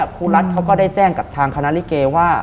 ครูรัตก็ได้แจ้งกับทางคณาลิเกย์ว่า